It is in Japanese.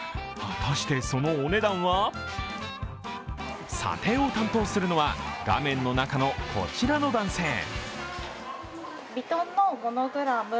果たして、そのお値段は？査定を担当するのは、画面の中のこちらの男性。